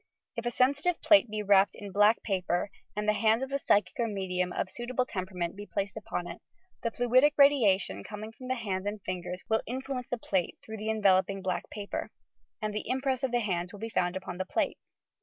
If a sensitive plate be wrapped in black paper and the hands of the psychic or medium of suitable temperament be placed upon it, the flindic radiation com ing from the hand and fingers will influence the plate through the enveloping black paper, and the impress of the hand will be found upon the plate.